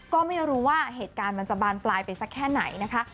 ก็ไม่รู้ว่าเหตุการณ์มันจะบานปลายไปสักแค่ไหนนะคะ